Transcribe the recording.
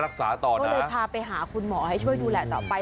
ก็เลยพาไปหาคุณหมอให้ช่วยดูแลต่อไป